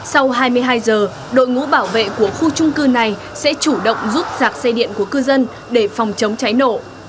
sau hai mươi hai giờ đội ngũ bảo vệ của khu trung cư này sẽ chủ động giúp giạc xe điện của cư dân để phòng chống cháy nổ